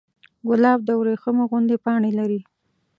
ګلاب د وریښمو غوندې پاڼې لري.